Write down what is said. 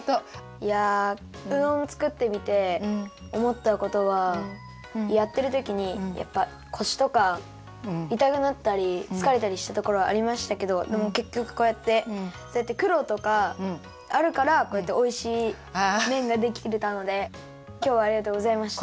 いやうどんを作ってみておもったことはやっているときにこしとかいたくなったりつかれたりしたところはありましたけどでもけっきょくこうやってくろうとかあるからこうやっておいしいめんができたのできょうはありがとうございました。